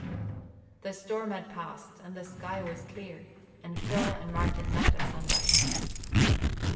The storm had passed and the sky was clear, and Phil and Martin met at sunrise.